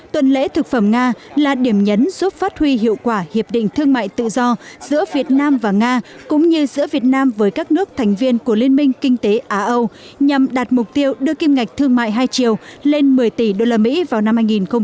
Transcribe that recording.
tuần lễ thực phẩm nga là điểm nhấn giúp phát huy hiệu quả hiệp định thương mại tự do giữa việt nam và nga cũng như giữa việt nam với các nước thành viên của liên minh kinh tế á âu nhằm đạt mục tiêu đưa kim ngạch thương mại hai triệu lên một mươi tỷ usd vào năm hai nghìn hai mươi